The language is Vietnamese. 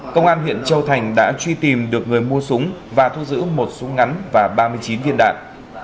công an huyện châu thành đã truy tìm được người mua súng và thu giữ một súng ngắn và ba mươi chín viên đạn